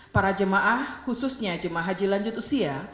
para jemaah khususnya jemaah haji lanjut usia